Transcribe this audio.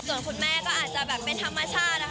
ส่วนคุณแม่ก็อาจจะแบบเป็นธรรมชาตินะคะ